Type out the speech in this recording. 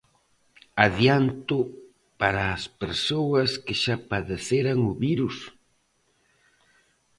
Adianto para as persoas que xa padeceran o virus?